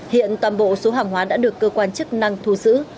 hiện toàn bộ số hàng hóa đã được cơ quan chức năng thu giữ